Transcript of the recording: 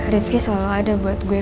rifki selalu ada buat gue